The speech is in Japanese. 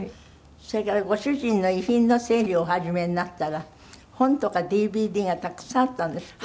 それからご主人の遺品の整理をお始めになったら本とかＤＶＤがたくさんあったんですって？